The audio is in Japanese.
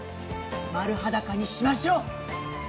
丸裸にしましょう！